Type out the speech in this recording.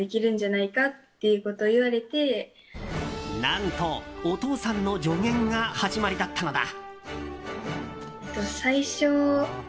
何と、お父さんの助言が始まりだったのだ。